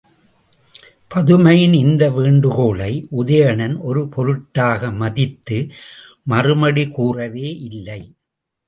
பதுமையின் இந்த வேண்டுகோளை உதயணன் ஒரு பொருட்டாக மதித்து மறுமொழி கூறவே இல்லை.